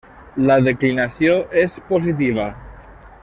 La declinació és positiva.